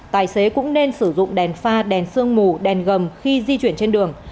tài xế cũng nên sử dụng đèn pha đèn sương mù đèn gầm khi di chuyển trên đường